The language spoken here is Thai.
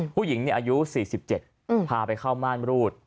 ผู้หญิงเนี่ยอายุ๔๗พาไปเข้ามารรูด